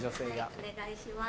お願いします。